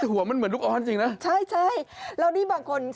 แต่ว่ามันเหมือนลูกออนด์จริงนะ